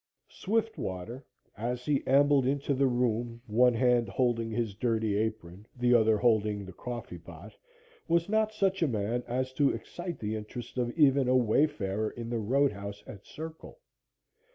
Swiftwater, as he ambled into the room, one hand holding his dirty apron, the other holding the coffee pot, was not such a man as to excite the interest of even a wayfarer in the road house at Circle.